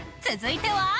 続いては。